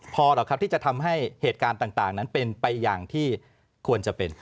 พอหรอกครับที่จะทำให้เหตุการณ์ต่างนั้นเป็นไปอย่างที่ควรจะเป็น